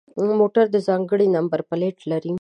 موټر د ځانگړي نمبر پلیت لري.